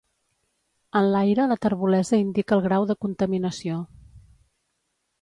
En l'aire la terbolesa indica el grau de contaminació.